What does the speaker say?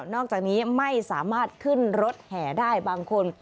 อกจากนี้ไม่สามารถขึ้นรถแห่ได้บางคน